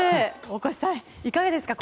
大越さん、いかがですか。